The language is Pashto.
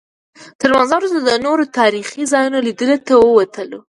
تر لمانځه وروسته د نورو تاریخي ځایونو لیدلو ته ووتلو.